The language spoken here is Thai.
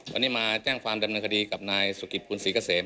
วันนี้มาแจ้งความดำเนินคดีกับนายสุกิตคุณศรีเกษม